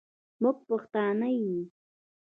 موږ پښتانه یو.